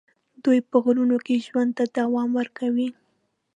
دوی په غرونو کې ژوند ته دوام ورکوي.